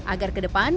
agar ke depan